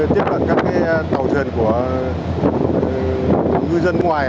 tiếp cận các tàu thuyền của ngư dân ngoài